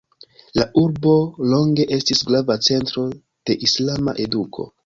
La urbo longe estis grava centro de islama eduko.